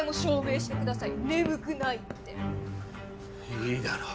いいだろう。